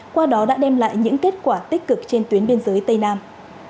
qua đó đã đem lại những kết quả tích cực trên tuyến biên giới tây nam